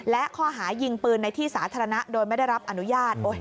และข้อหายิงปืนในที่สาธารณะโดยไม่ได้รับอนุญาต